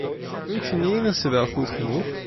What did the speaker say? Functioneren ze wel goed genoeg?